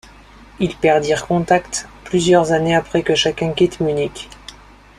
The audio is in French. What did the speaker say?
Ils perdirent contact plusieurs années après que chacun quitte Munich.